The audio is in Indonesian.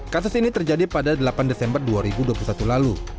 kasus ini terjadi pada delapan desember dua ribu dua puluh satu lalu